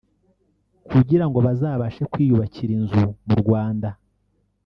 kugira ngo bazabashe kwiyubakira inzu mu Rwanda